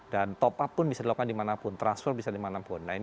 dan top up pun bisa dilakukan di mana pun transfer bisa di mana pun